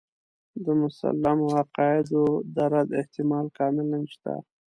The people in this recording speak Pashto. د مسلمو عقایدو د رد احتمال کاملاً شته.